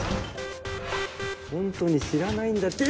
本当に知らないんだって。